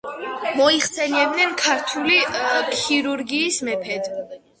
მოიხსენიებდნენ „ქართული ქირურგიის მეფედ“.